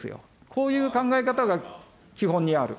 こういう考え方が基本にある。